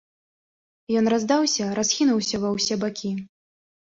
Ён раздаўся, расхінуўся ва ўсе бакі.